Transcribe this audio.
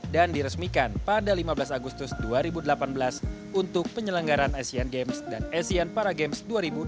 dan diresmikan pada lima belas agustus dua ribu delapan belas untuk penyelenggaran asean games dan asean para games dua ribu delapan belas